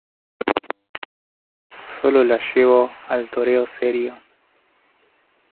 Chicuelo sólo la llevó al toreo serio.